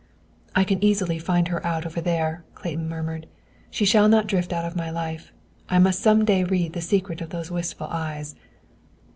"I can easily find her out over there," Clayton murmured. "She shall not drift out of my life. I must some day read the secret of those wistful eyes."